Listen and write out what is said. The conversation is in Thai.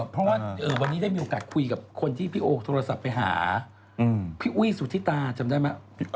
เพราะว่าวันนี้ได้มีโอกาสคุยกับคนที่พี่โอโทรศัพท์ไปหาพี่อุ้ยสุธิตาจำได้ไหม